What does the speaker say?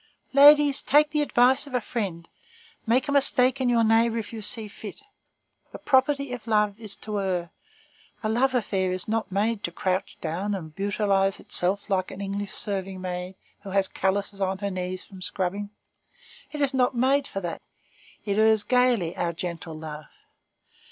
Ladies, take the advice of a friend; make a mistake in your neighbor if you see fit. The property of love is to err. A love affair is not made to crouch down and brutalize itself like an English serving maid who has callouses on her knees from scrubbing. It is not made for that; it errs gayly, our gentle love.